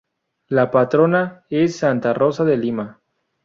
La patrona es Santa Rosa de Lima.